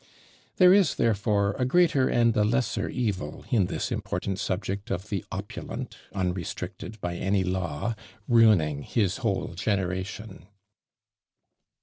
There is, therefore, a greater and a lesser evil in this important subject of the opulent, unrestricted by any law, ruining his whole generation.